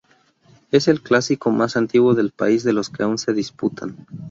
Es el clásico más antiguo del país de los que aún se disputan.